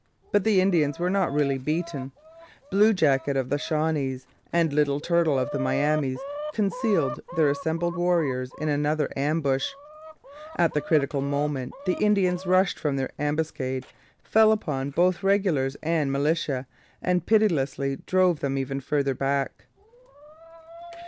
But the Indians were not really beaten. Blue Jacket of the Shawnees and Little Turtle of the Miamis concealed their assembled warriors in another ambush. At the critical moment the Indians rushed from their ambuscade, fell upon both regulars and militia, and pitilessly drove them ever farther back.